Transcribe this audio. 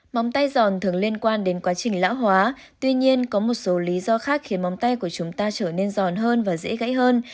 bóng tay giòn thường liên quan đến quá trình lão hóa tuy nhiên có một số lý do khác khiến bóng tay của chúng ta trở nên giòn hơn và dễ gãy hơn